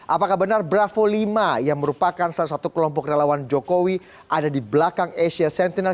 apakah benar bravo lima yang merupakan salah satu kelompok relawan jokowi ada di belakang asia sentinel